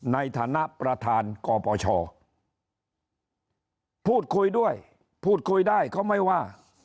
ในฐานะประธานกปชพูดคุยด้วยพูดคุยได้เขาไม่ว่า